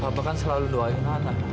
papa kan selalu doain ana